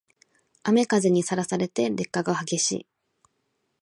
雨風にさらされて劣化が激しい